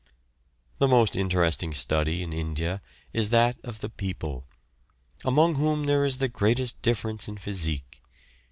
The most interesting study in India is that of the people, among whom there is the greatest difference in physique.